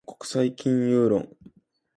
国際金融論